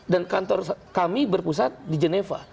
dan kantor kami berpusat di jeneva